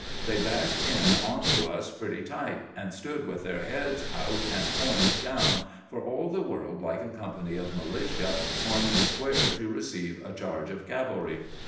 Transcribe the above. They backed in onto us pretty tight, and stood with their heads out and horns down, for all the world like a company of militia forming square to receive a charge of cavalry.